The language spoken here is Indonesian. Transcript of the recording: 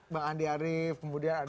bang andi arief kemudian